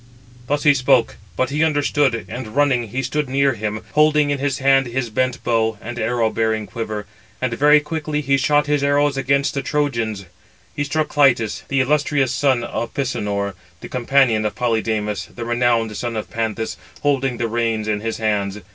Thus he spoke; but he understood; and running, he stood near him, holding in his hand his bent bow, and arrow bearing quiver; and very quickly he shot his arrows amongst the Trojans. He struck Clitus, the illustrious son of Pisenor, the companion of Polydamas, the renowned son of Panthous, holding the reins in his hands.